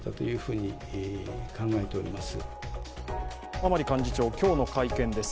甘利幹事長、今日の会見です。